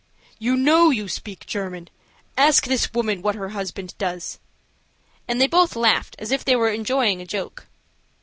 "You know you speak German. Ask this woman what her husband does," and they both laughed as if they were enjoying a joke.